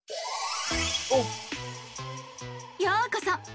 ようこそ！